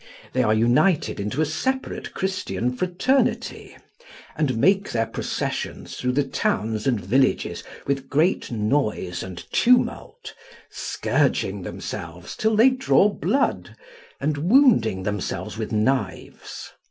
They are united into a separate Christian fraternity, and make their processions through the towns and villages with great noise and tumult, scourging themselves till they draw blood, and wounding themselves with knives.